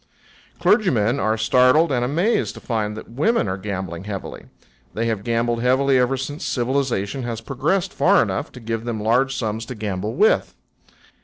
Clergymen are startled and amazed to find that women are gambling heavily. They have gambled heavily ever since civilization has progressed far enough to give them large sums to gamble with.